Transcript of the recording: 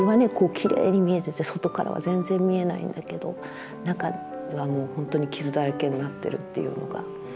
きれいに見えてて外からは全然見えないんだけど中はもう本当に傷だらけになってるっていうのが。